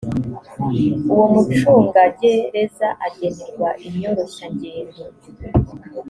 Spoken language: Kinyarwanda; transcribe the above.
uwo mucungagereza agenerwa inyoroshyangendo